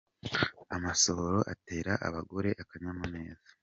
Amasohoro atera abagore akanyamuneza